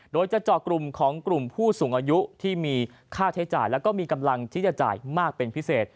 โดยจะเจาะกลุ่มของกลุ่มผู้สูงอายุที่มีค่าใช้จ่ายแล้วก็มีกำลังที่จะจ่ายมากเป็นพิเศษ